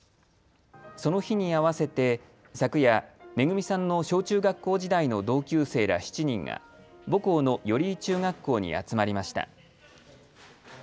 その日に合わせて昨夜、めぐみさんの小中学校時代の同級生ら７人が母校の寄居中学校に集まりました。